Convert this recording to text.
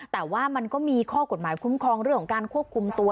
แต่ว่ามันก็มีข้อกฎหมายคุ้มครองเรื่องของการควบคุมตัว